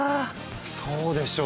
そうでしょう？